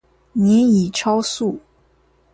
您已超速